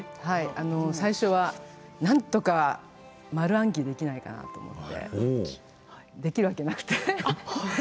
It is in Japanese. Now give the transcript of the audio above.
はい最初はなんとか丸暗記できないかなと思ってできるわけなくて。